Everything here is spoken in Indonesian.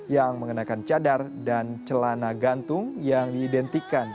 yang mengenakan cadar dan celana gantung yang diidentikan